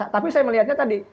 tapi saya melihatnya tadi